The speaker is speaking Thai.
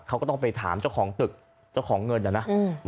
เขาก็ต้องไปถามเจ้าของตึกเจ้าของเงินนะ